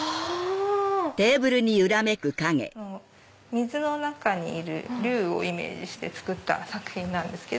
水の中にいる竜をイメージして作った作品なんです。